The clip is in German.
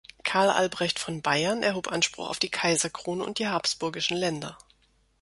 Karl Albrecht von Bayern erhob Anspruch auf die Kaiserkrone und die habsburgischen Länder.